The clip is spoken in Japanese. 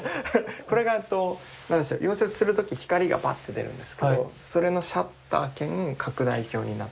これがえっと溶接する時光がバッて出るんですけどそれのシャッター兼拡大鏡になってて。